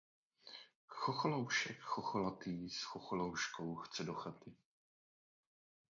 Chocholoušek chocholatý s chocholouškou chce do chaty.